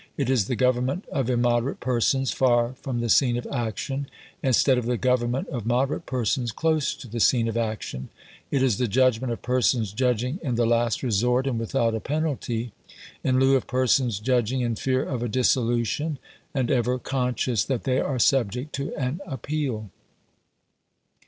It is the government of immoderate persons far from the scene of action, instead of the government of moderate persons close to the scene of action; it is the judgment of persons judging in the last resort and without a penalty, in lieu of persons judging in fear of a dissolution, and ever conscious that they are subject to an appeal.